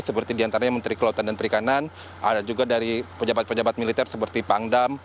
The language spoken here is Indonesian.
seperti diantaranya menteri kelautan dan perikanan ada juga dari pejabat pejabat militer seperti pangdam